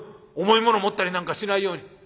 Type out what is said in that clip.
重い物持ったりなんかしないように。